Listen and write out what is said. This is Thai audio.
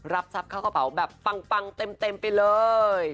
รับทรัพย์เข้ากระเป๋าแบบปังเต็มไปเลย